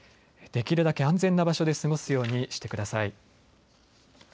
できるだけ安全な場所で過ごすようにしてください。